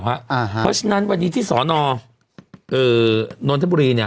เพราะฉะนั้นวันนี้ที่สนนทบุรีเนี่ย